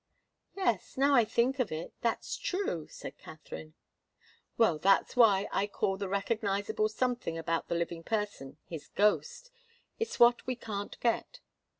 "Yes. Now I think of it, that's true," said Katharine. "Well, that's why I call the recognizable something about the living person his ghost. It's what we can't get.